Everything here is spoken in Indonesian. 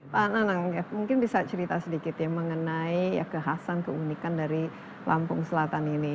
pak nanang mungkin bisa cerita sedikit ya mengenai ya kekhasan keunikan dari lampung selatan ini